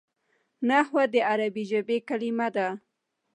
نحوه د عربي ژبي کلیمه ده.